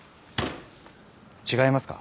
違いますか？